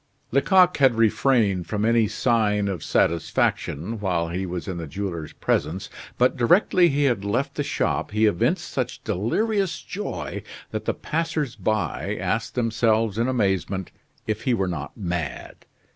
Lecoq had refrained from any sign of satisfaction while he was in the jeweler's presence. But directly he had left the shop he evinced such delirious joy that the passers by asked themselves in amazement if he were not mad.